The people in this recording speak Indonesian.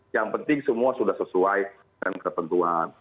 yang penting semua sudah sesuai dengan ketentuan